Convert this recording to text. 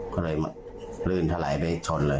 ก็เลยลื่นถลายไปชนเลย